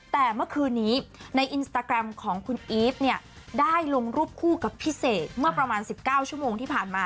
แต่เมื่อคืนนี้ในอินสตาแกรมของคุณอีฟเนี่ยได้ลงรูปคู่กับพี่เสกเมื่อประมาณ๑๙ชั่วโมงที่ผ่านมา